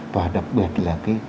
và đặc biệt là cái